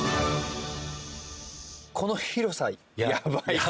この広さやばいですね。